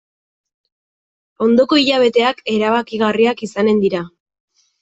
Ondoko hilabeteak erabakigarriak izanen dira.